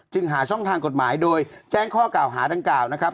หาช่องทางกฎหมายโดยแจ้งข้อกล่าวหาดังกล่าวนะครับ